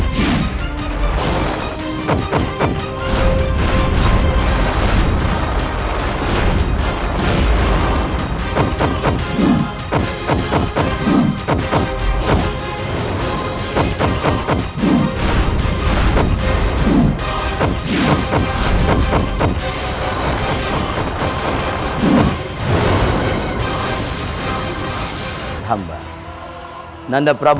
jaga dewa batara